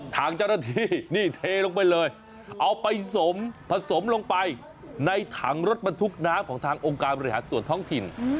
ทางเจ้าหน้าที่นี่เทลงไปเลยเอาไปสมผสมลงไปในถังรถบรรทุกน้ำของทางองค์การบริหารส่วนท้องถิ่น